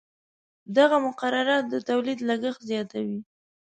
دغه مقررات د تولید لګښت زیاتوي.